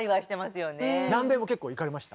南米も結構行かれました？